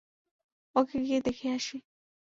ওকে গিয়ে দেখিয়ে আসি।